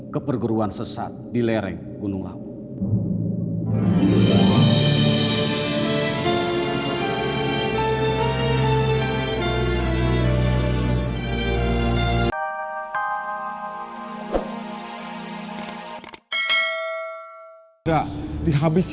keperguruan sesat di lereng gunung laut